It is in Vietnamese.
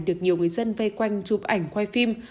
được nhiều người dân vây quanh chụp ảnh quay phim